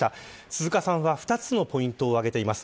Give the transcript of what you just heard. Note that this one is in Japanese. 鈴鹿さんは、２つのポイントを挙げています。